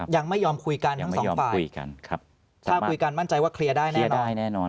ยังไม่ยอมคุยกันทั้งสองฝ่ายถ้าคุยกันมั่นใจว่าเคลียร์ได้แน่นอน